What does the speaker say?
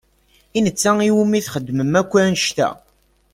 I netta i wumi txedmem akk annect-a?